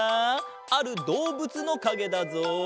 あるどうぶつのかげだぞ！